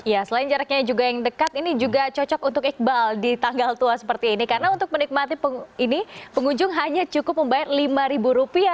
ya selain jaraknya juga yang dekat ini juga cocok untuk iqbal di tanggal tua seperti ini karena untuk menikmati ini pengunjung hanya cukup membayar rp lima